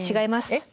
えっ？